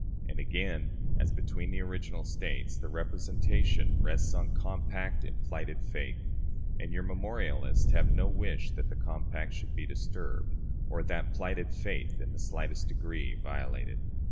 And again: "As between the original States, the representation rests on compact and plighted faith; and your memorialists have no wish that that compact should be disturbed, or that plighted faith in the slightest degree violated."